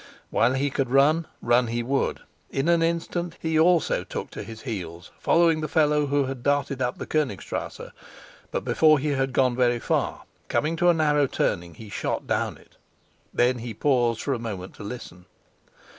While he could run, run he would. In an instant he also took to his heels, following the fellow who had darted up the Konigstrasse. But before he had gone very far, coming to a narrow turning, he shot down it; then he paused for a moment to listen.